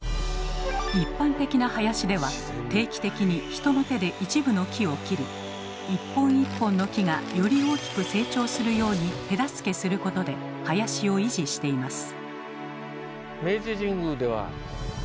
一般的な林では定期的に人の手で一部の木を切り一本一本の木がより大きく成長するように手助けすることで林を維持しています。